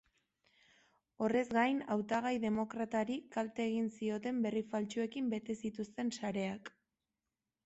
Horrez gain hautagai demokratari kalte egiten zioten berri faltsuekin bete zituzten sareak.